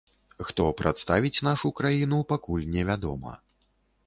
Хто прадставіць нашу краіну, пакуль невядома.